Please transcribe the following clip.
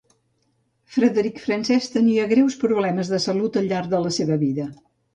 Frederic Francesc tenia greus problemes de salut al llarg de la seva vida.